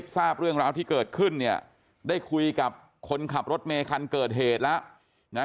ทราบเรื่องราวที่เกิดขึ้นเนี่ยได้คุยกับคนขับรถเมคันเกิดเหตุแล้วนะ